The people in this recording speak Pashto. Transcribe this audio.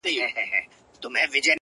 دومره حيا مه كوه مړ به مي كړې ـ